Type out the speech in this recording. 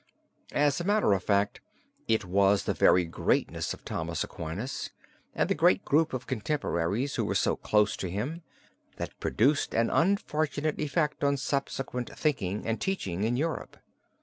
As a matter of fact it was the very greatness of Thomas Aquinas, and the great group of contemporaries who were so close to him, that produced an unfortunate effect on subsequent thinking and teaching in Europe.